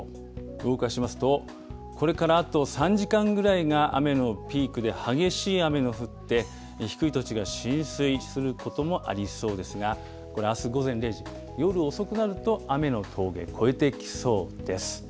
動かしますと、これからあと３時間ぐらいが雨のピークで、激しい雨も降って、低い土地が浸水することもありそうですが、これあす午前０時、夜遅くなると雨の峠、越えてきそうです。